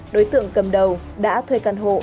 đối tượng cầm đầu đã thuê căn hộ